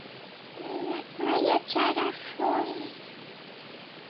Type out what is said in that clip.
No he anat mai a Xarafull.